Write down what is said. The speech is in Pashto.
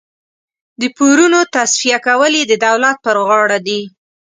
د پورونو تصفیه کول یې د دولت پر غاړه دي.